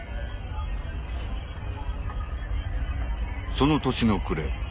その年の暮れ